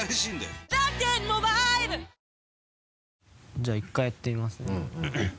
じゃあ１回やってみますね。